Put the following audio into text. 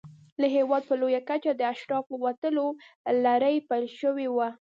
له هېواده په لویه کچه د اشرافو وتلو لړۍ پیل شوې وه.